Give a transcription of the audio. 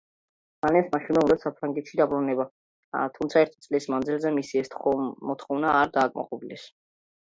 რენეს მაშინვე უნდოდა საფრანგეთში დაბრუნება თუმცა ერთი წლის მანძილზე მისი ეს მოთხოვნა არ დააკმაყოფილეს.